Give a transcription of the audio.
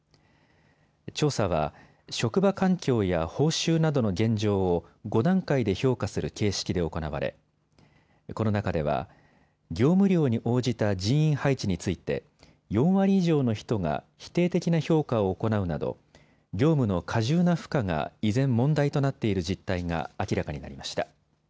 調査は職場環境や報酬などの現状を５段階で評価する形式で行われこの中では業務量に応じた人員配置について４割以上の人が否定的な評価を行うなど業務の過重な負荷が依然問題となっている実態が明らかになりました。